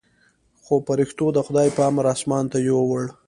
خو پرښتو د خداى په امر اسمان ته يووړ.